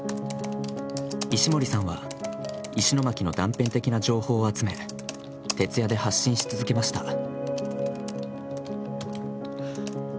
石森さんは、石巻の断片的な情報を集め、徹夜で発信し続けました。